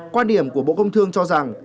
quan điểm của bộ công thương cho rằng